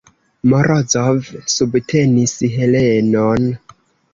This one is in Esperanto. Morozov subtenis Helenon.